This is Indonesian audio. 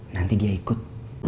nanti dia ikut